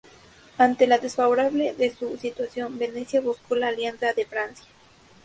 Ante lo desfavorable de su situación, Venecia buscó la alianza de Francia.